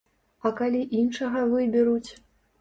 А калі іншага выберуць?